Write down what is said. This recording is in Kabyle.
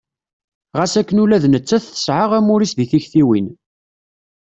Ɣas akken ula d nettat tesɛa amur-is deg tiktiwin.